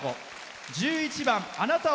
１１番の「あなた」